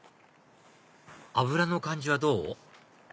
脂の感じはどう？